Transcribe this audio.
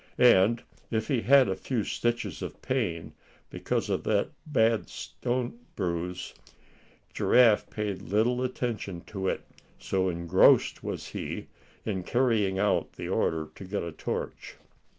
And if he had a few stitches of pain, because of that bad stone bruise, Giraffe paid little attention to it, so engrossed was he in carrying out the order to get a torch.